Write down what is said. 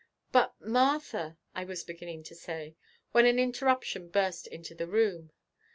"But, Martha," I was beginning to say, when an interruption burst into the room.